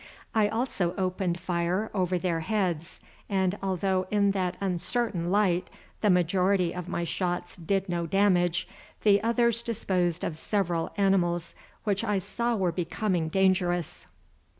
I also opened fire over their heads, and, although in that uncertain light the majority of my shots did no damage, the others disposed of several animals which I saw were becoming dangerous.